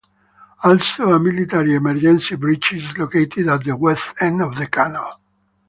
Also a military emergency bridge is located at the west end of the canal.